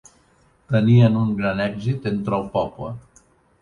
Tenien un gran èxit entre el poble.